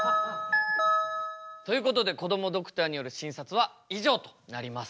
ということでこどもドクターによる診察は以上となります。